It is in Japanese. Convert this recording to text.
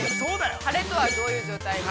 晴れとは、どういう状態か。